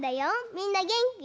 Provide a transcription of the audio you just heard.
みんなげんき？